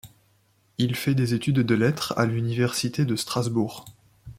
Il fait des études de Lettres à l'université de Strasbourg.